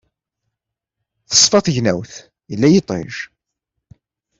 Teṣfa tegnawt, yella yiṭij.